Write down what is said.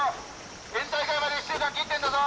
県大会まで１週間切ってんだぞ！」